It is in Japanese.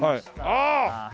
ああ！